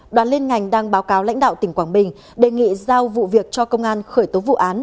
đoàn liên ngành đang báo cáo lãnh đạo tỉnh quảng bình đề nghị giao vụ việc cho công an khởi tố vụ án